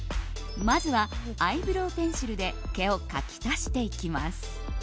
まずはアイブローペンシルで毛を描き足していきます。